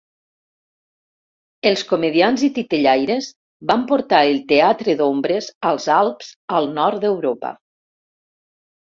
Els comediants i titellaires van portar el teatre d'ombres als Alps al nord d'Europa.